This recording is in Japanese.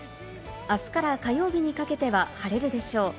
あすから火曜日にかけては晴れるでしょう。